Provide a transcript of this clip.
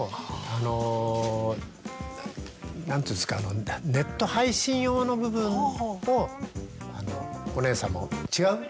何ていうんすかあのネット配信用の部分のお姉さんの違う？